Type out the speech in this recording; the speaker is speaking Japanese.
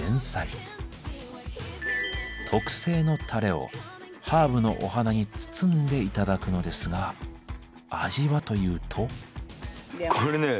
特製のタレをハーブのお花に包んで頂くのですが味はというと。